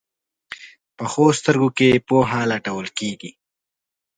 پخو سترګو کې پوهه لټول کېږي